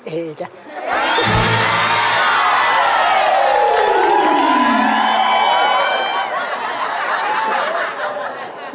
เอ๋จ้ะ